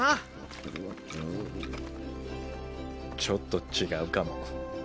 ちょっと違うかも。